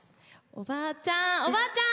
おばあちゃん！